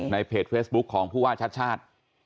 ในเพจเฟสบุ๊คของภูวาชัด